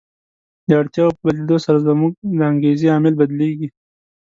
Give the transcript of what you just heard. د اړتیاوو په بدلېدو سره زموږ د انګېزې عامل بدلیږي.